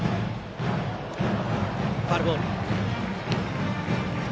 ファウルボール。